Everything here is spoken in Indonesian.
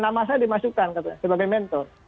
nama saya dimasukkan katanya sebagai mentor